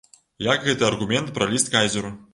Як гэты аргумент пра ліст кайзеру.